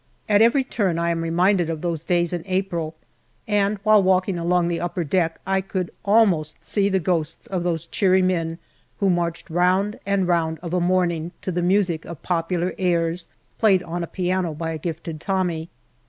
At every turn I am reminded of those days in April, and while walking along the upper deck I could almost see the ghosts of those cheery men who marched round and round of a morning to the music of popular airs played on a piano by a gifted Tommy.